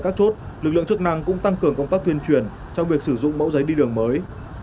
các chức năng cũng tăng cường công tác tuyên truyền trong việc sử dụng mẫu giấy đi đường mới